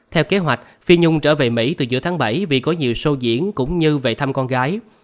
theo kế hoạch phi nhung trở về mỹ từ giữa tháng bảy vì có nhiều show diễn cũng như về thăm con gái